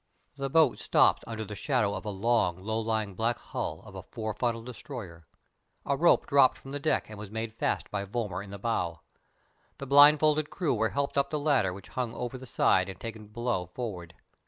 The boat stopped under the shadow of the long, low lying black hull of a four funnelled destroyer. A rope dropped from the deck and was made fast by Vollmar in the bow. The blindfolded crew were helped up the ladder which hung over the side and taken below forward.